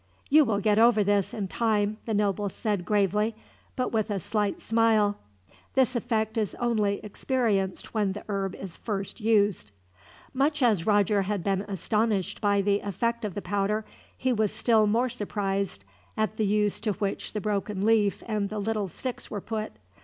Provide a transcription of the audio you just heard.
"You will get over this, in time," the noble said gravely, but with a slight smile. "This effect is only experienced when the herb is first used." Much as Roger had been astonished by the effect of the powder, he was still more surprised at the use to which the broken leaf and the little sticks were put.